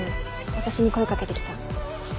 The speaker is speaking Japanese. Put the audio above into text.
私に声かけてきた。